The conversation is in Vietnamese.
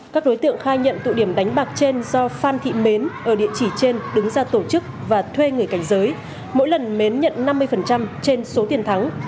các đối tượng khai nhận tụ điểm đánh bạc trên do phan thị mến ở địa chỉ trên đứng ra tổ chức và thuê người cảnh giới mỗi lần mến nhận năm mươi trên số tiền thắng